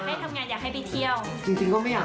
ปรากฏว่าพี่โรดเมย์ที่มาผิดเนี่ยจะจัดรการรึเปล่า